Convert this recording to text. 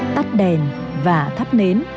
tắt đèn và thắp nến